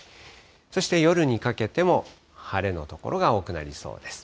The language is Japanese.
そして夜にかけても晴れの所が多くなりそうです。